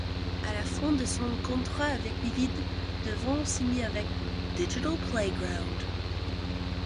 À la fin de son contrat avec Vivid, Devon signe avec Digital Playground.